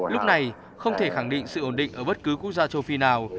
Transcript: lúc này không thể khẳng định sự ổn định ở bất cứ quốc gia châu phi nào